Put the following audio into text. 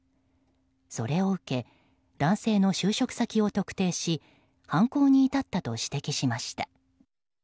それを受け男性の就職先を特定し犯行に至ったと指摘しました。